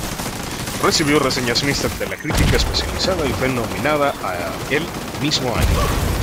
Recibió reseñas mixtas de la crítica especializada y fue nominada al el mismo año.